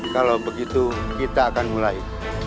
kalau begitu kita akan mulai